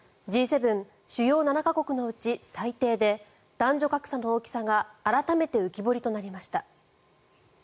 Ｇ７・主要７か国のうち最低で男女格差の大きさが改めて浮き彫りとなりました。